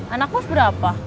anak bos berapa